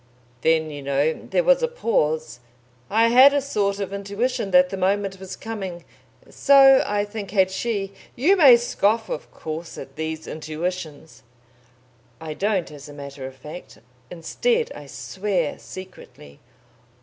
"Then, you know, there was a pause. I had a sort of intuition that the moment was coming. So I think had she. You may scoff, of course, at these intuitions " I don't, as a matter of fact. Instead, I swear secretly.